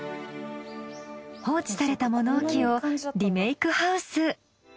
放置された物置をリメイクハウス。